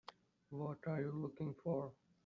What are you looking for?